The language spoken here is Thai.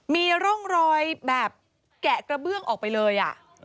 มีร่องรอยแบบแกะกระเบื้องออกไปเลย